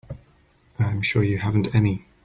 I'm sure you haven't any.